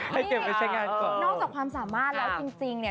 นอกจากความสามารถแล้วจริงเนี่ย